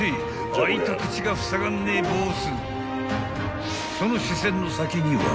［開いた口がふさがんねえボス］